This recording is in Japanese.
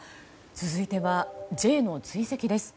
続いてはＪの追跡です。